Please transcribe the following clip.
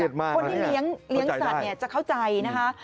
คนที่เลี้ยงสัตว์จะเข้าใจนะคะ